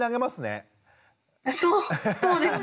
そうそうですね。